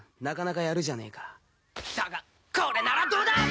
なかなかやるじゃねえかだがこれならどうだ！